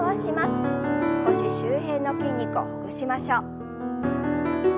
腰周辺の筋肉をほぐしましょう。